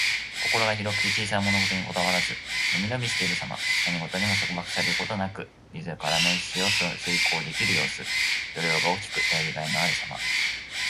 心が広くて小さな物事にこだわらず、のびのびしているさま。何事にも束縛されることなく、自らの意志を遂行できる様子。度量が大きく、頼りがいのあるさま。